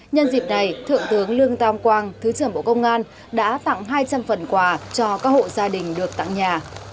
nhân dịp này thượng tướng lương tam quang thứ trưởng bộ công an đã tặng hai trăm linh phần quà cho các hộ gia đình được tặng nhà